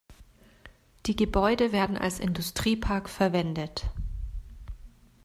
Die Gebäude werden als Industriepark verwendet.